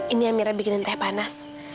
ini amira bikinin teh panas